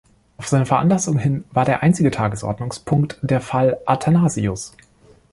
Auf seine Veranlassung hin war der einzige Tagesordnungspunkt der Fall Athanasius.